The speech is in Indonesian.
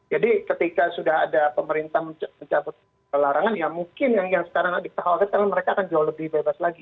jadi ketika sudah ada pemerintah mencabut larangan ya mungkin yang sekarang dikhawatirkan mereka akan jauh lebih bebas lagi